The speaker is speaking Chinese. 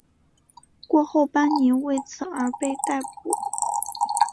过后班尼为此而被逮捕。